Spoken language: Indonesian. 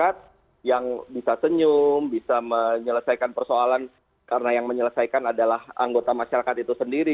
masyarakat yang bisa senyum bisa menyelesaikan persoalan karena yang menyelesaikan adalah anggota masyarakat itu sendiri